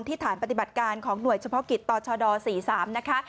ฐานปฏิบัติการของหน่วยเฉพาะกิจตชด๔๓นะคะ